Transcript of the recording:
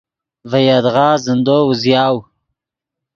ڤے یدغا زندو اوزیاؤ.